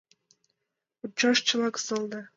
Ончаш чынак сылне.